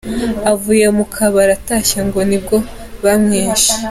Avuye mu kabari atashye ngo nibwo bamwishe.